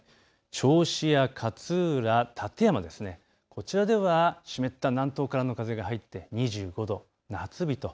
銚子や勝浦、館山、こちらでは湿った南東からの風が入って２５度、夏日と。